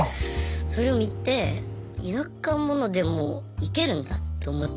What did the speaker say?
それを見て田舎者でもイケるんだと思って。